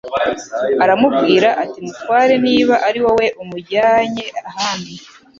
Aramubwira ati: " mutware niba ari wowe umujyanye ahandi